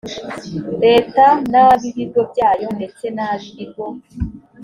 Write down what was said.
leta n ab ibigo byayo ndetse n ab ibigo